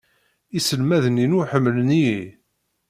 Iselmaden-inu ḥemmlen-iyi.